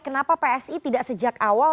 kenapa psi tidak sejak awal